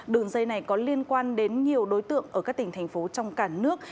đường dây này có liên quan đến nhiều đối tượng ở các tỉnh thành phố trong cả nước